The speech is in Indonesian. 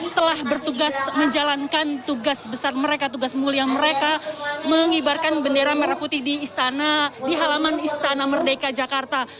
mereka telah bertugas menjalankan tugas besar mereka tugas mulia mereka menghibarkan bendera merah putih di halaman istana merdeka jakarta